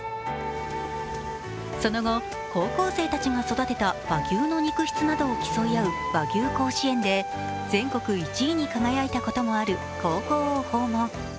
その後、高校生たちが育てた和牛の肉質などを競い合う和牛甲子園で全国１位に輝いたこともある高校を訪問。